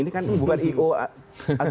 ini kan ioott